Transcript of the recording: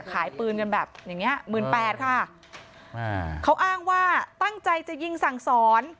ขายปืนกันแบบเองมี๑๘๐๐๐ค่ะเขาอ้างว่าตั้งใจจะยิงสั่งศร